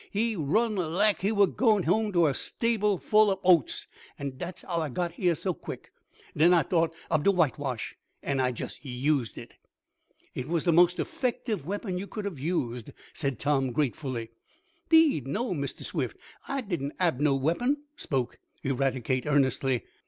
He run laik he were goin' home t' a stable full ob oats, an' dat's how I got heah so quick. Den I t'ought ob de whitewash, an' I jest used it." "It was the most effective weapon you could have used," said Tom, gratefully. "Deed no, Mistah Swift, I didn't hab no weapon," spoke Eradicate earnestly.